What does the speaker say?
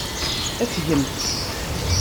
Afgemt.